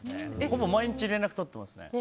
ほぼ毎日、連絡とってますね。